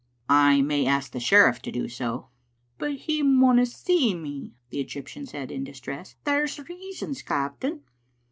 " I may ask the sheriflf to do so." "But he mauna see me," the Egyptian said in dis tress. "There's reasons, captain."